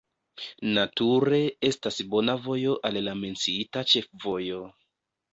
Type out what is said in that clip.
Nature estas bona vojo al la menciita ĉefvojo.